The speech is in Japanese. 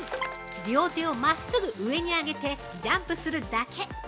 両手を真っすぐ上に上げてジャンプするだけ。